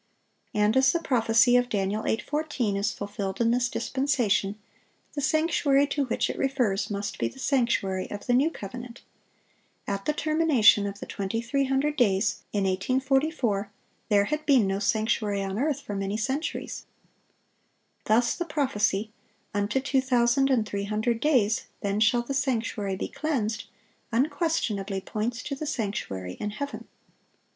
And as the prophecy of Dan. 8:14 is fulfilled in this dispensation, the sanctuary to which it refers must be the sanctuary of the new covenant. At the termination of the 2300 days, in 1844, there had been no sanctuary on earth for many centuries. Thus the prophecy, "Unto two thousand and three hundred days; then shall the sanctuary be cleansed," unquestionably points to the sanctuary in heaven.